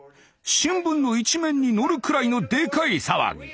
新聞の一面にのるくらいのでかい騒ぎ。